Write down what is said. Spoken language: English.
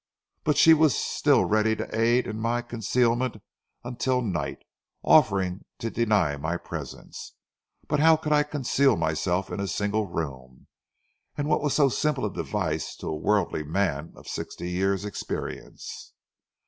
But she was still ready to aid in my concealment until night, offering to deny my presence. But how could I conceal myself in a single room, and what was so simple a device to a worldly man of sixty years' experience?